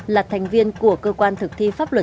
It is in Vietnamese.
nghị định sáu mươi bảy của chính phủ ra đời